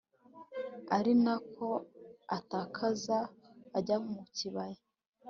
ari na ko akataza ajya mu kibaya